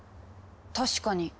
確かに。